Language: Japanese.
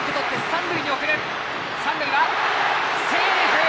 三塁はセーフ！